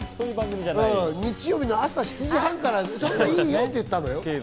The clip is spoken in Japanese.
日曜日の朝７時半からはいいよって言ったのよ。